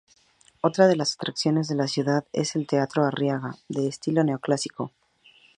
Otra de las atracciones de la ciudad es el Teatro Arriaga, de estilo neoclásico.